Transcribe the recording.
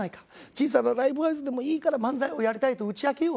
小さなライブハウスでもいいから漫才をやりたいと打ち明けよう。